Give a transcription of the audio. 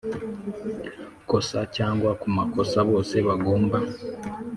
Kosa cyangwa ku makosa bose bagomba